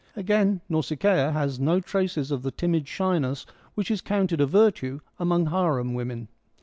Again, Nausicaa has no traces of the timid shyness which is counted a virtue among harem women.